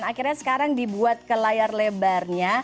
akhirnya sekarang dibuat ke layar lebarnya